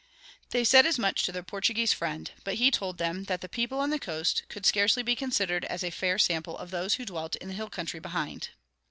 They said as much to their Portuguese friend, but he told them that the people on the coast could scarcely be considered as a fair sample of those who dwelt in the hill country behind.